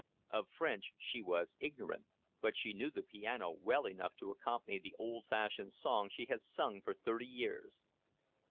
Of French she was ignorant, but she knew the piano well enough to accompany the old fashioned songs she had sung for thirty years.